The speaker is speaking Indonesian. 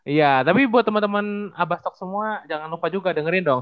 iya tapi buat teman teman abah stok semua jangan lupa juga dengerin dong